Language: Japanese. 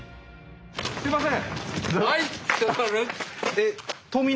すいません！